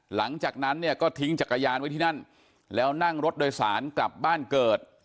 หลังจากนั้นเนี่ยก็ทิ้งจักรยานไว้ที่นั่นแล้วนั่งรถโดยสารกลับบ้านเกิด